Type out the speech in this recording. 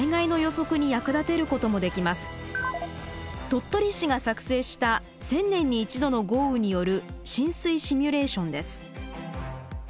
鳥取市が作成した１０００年に１度の豪雨による浸水シミュレーションです。